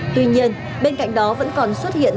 tuy nhiên bên cạnh đó vẫn còn xuất hiện